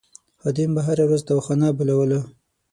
خادم به هره ورځ تاوخانه بلوله.